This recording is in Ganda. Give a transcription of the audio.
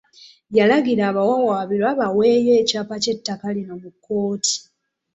Yalagira abawawaabirwa baweeyo ekyapa ky'ettaka lino mu kkooti.